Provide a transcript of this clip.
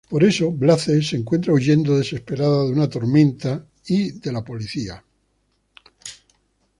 Por eso Blaze se encuentra huyendo desesperado de una tormenta y de la policía.